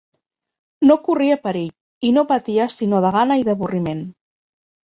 No corria perill, i no patia sinó de gana i d'avorriment